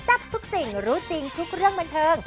ทับทุกสิ่งรู้จริงทุกเรื่องบันเทิง